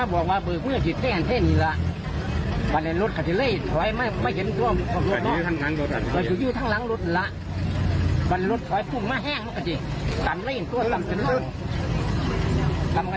พบน้ำที่ทะเต้กินรวดรถปุกและดังก็เปิดอะกะทวยเย็นต้องค่ะ